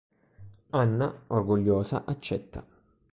Anna, orgogliosa, accetta.